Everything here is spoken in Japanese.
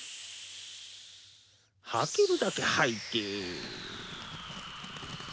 吐けるだけ吐いて。